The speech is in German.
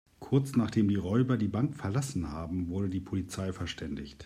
Kurz, nachdem die Räuber die Bank verlassen haben, wurde die Polizei verständigt.